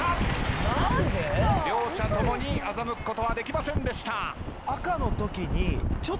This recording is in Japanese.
何で？両者共に欺くことはできませんでした。